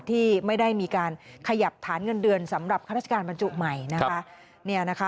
ที่ไม่ได้มีการขยับฐานเงินเดือนสำหรับข้าราชการบรรจุใหม่นะคะ